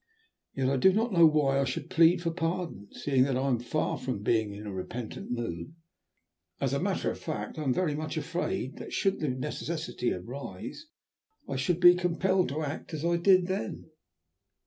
Yet I do not know why I should plead for pardon, seeing that I am far from being in a repentant mood. As a matter of fact I am very much afraid that, should the necessity arise, I should be compelled to act as I did then."